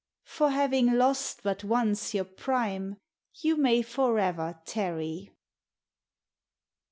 For having lost but once your prime, You may forever tarry.